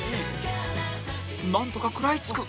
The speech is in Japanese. なんとか食らいつく